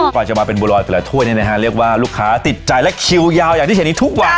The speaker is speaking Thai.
กว่าจะมาเป็นบัวรอยแต่ละถ้วยเนี่ยนะฮะเรียกว่าลูกค้าติดใจและคิวยาวอย่างที่เห็นนี้ทุกวัน